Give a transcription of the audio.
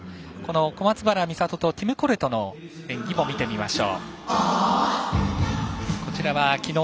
小松原美里とティム・コレトの演技も見てみましょう。